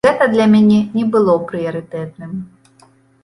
Гэта для мяне не было прыярытэтным.